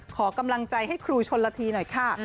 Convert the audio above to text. ขอกำลังใจให้ครูชนละทีหน่อยค่ะ